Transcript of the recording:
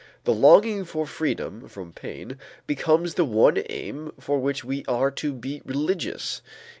The longing for freedom from pain becomes the one aim for which we are to be religious.